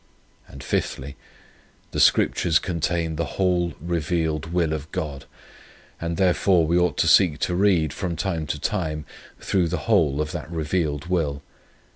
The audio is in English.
5, The Scriptures contain the whole revealed will of God, and therefore we ought to seek to read from time to time through the whole of that revealed will.